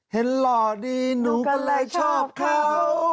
หล่อดีหนูก็เลยชอบเขา